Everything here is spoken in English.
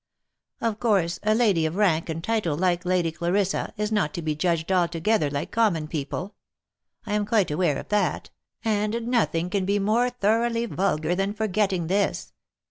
Of course, a lady of rank and title like Lady Clarissa, is not to be judged altogether like com mon people. I am quite aware of that, and nothing can be more thoroughly vulgar than forgetting this.